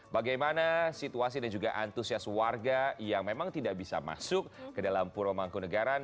bagaimana situasi dan juga antusias warga yang memang tidak bisa masuk ke dalam puro mangkunegaran